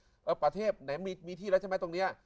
คนเบาะเลยเออปะเทพไหนมีที่แล้วใช่ไหมตรงนี้